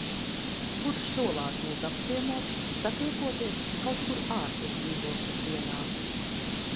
Kurš solās mūs apciemot, satiekoties kaut kur ārpus dzīvokļa sienām.